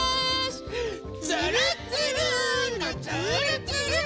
つるっつるーのつーるつる！